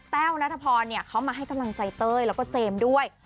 แป้วนาธพรเขามาให้กำลังใจเตยและเจมส์ด้วย